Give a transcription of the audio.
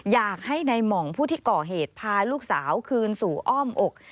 อยากให้ในหม่องผู้ที่ก่อเหตุพาลูกสาวคืนสู่อ้อมอก